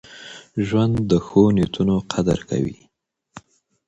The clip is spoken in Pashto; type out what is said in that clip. ژوند د ښو نیتونو قدر کوي.